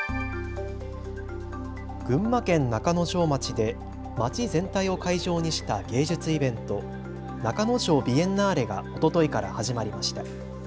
群馬県中之条町で町全体を会場にした芸術イベント、中之条ビエンナーレがおとといから始まりました。